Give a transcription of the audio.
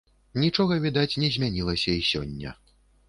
Нічога, відаць, не змянілася і сёння.